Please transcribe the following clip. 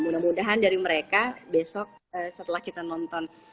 mudah mudahan dari mereka besok setelah kita nonton